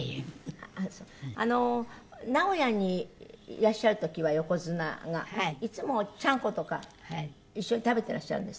名古屋にいらっしゃる時は横綱がいつもちゃんことか一緒に食べてらっしゃるんですって？